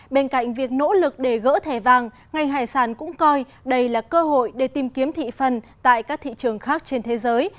bên cạnh việc nỗ lực để gỡ thẻ vàng ngành hải sản cũng coi đây là cơ hội để tìm kiếm thị phần tại các thị trường khác trên thế giới